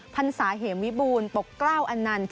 พันศาเหมวิบูลปกกล้าวอันนันต์